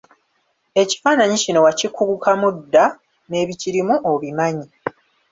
Ekifaananyi kino wakikugukamu dda n'ebikirimu obimanyi.